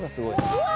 うわ！